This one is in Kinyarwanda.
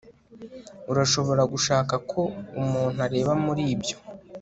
urashobora gushaka ko umuntu areba muri ibyo